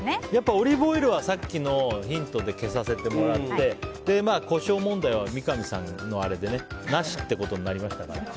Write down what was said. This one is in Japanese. オリーブオイルはさっきのヒントで消させてもらってコショウ問題は三上さんのあれでなしってことになりましたから。